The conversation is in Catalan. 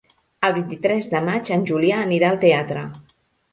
El vint-i-tres de maig en Julià anirà al teatre.